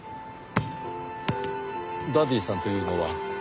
ダディさんというのは？